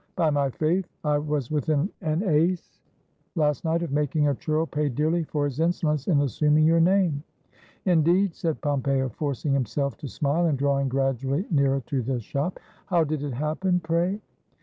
By my faith! I was within an ace last night of making a churl pay dearly for his insolence in assuming your name." "Indeed!" said Pompeo, forcing himself to smile, and drawing gradually nearer to the shop; "how did it happen, pray?"